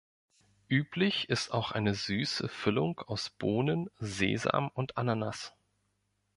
Üblich ist auch eine süße Füllung aus Bohnen, Sesam und Ananas.